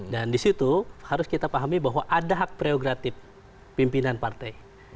dan di situ harus kita pahami bahwa ada hak prioritatif pimpinan partai